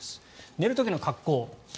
寝る時の格好。